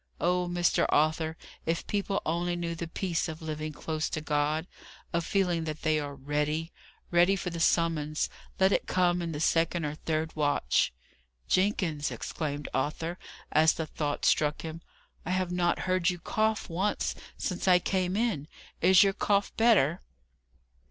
Oh, Mr. Arthur, if people only knew the peace of living close to God of feeling that they are READY! Ready for the summons, let it come in the second or third watch!" "Jenkins!" exclaimed Arthur, as the thought struck him: "I have not heard you cough once since I came in! Is your cough better!"